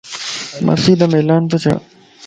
مسيڌم عيلان توچهه